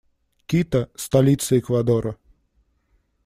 Кито - столица Эквадора.